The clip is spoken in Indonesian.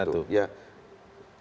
masalahnya dimana itu